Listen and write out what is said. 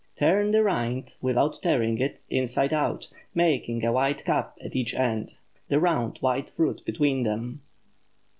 Turn the rind, without tearing it, inside out, making a white cup at each end—the round white fruit between them.